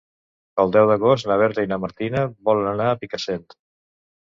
El deu d'agost na Berta i na Martina volen anar a Picassent.